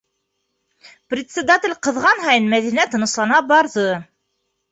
Председатель ҡыҙған һайын Мәҙинә тыныслана барҙы.